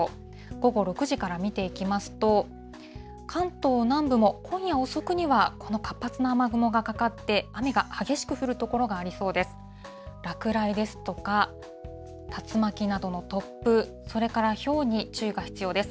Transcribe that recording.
午後６時から見ていきますと、関東南部も今夜遅くにはこの活発な雨雲がかかって、雨が激しく降る所がありそうです。